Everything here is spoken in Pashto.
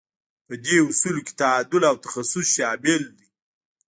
په دې اصولو کې تعادل او تخصص شامل دي.